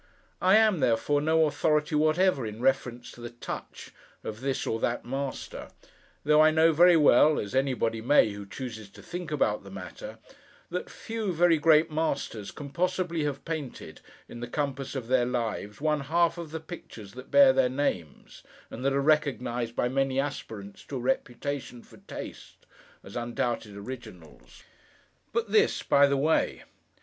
I am, therefore, no authority whatever, in reference to the 'touch' of this or that master; though I know very well (as anybody may, who chooses to think about the matter) that few very great masters can possibly have painted, in the compass of their lives, one half of the pictures that bear their names, and that are recognised by many aspirants to a reputation for taste, as undoubted originals. But this, by the way.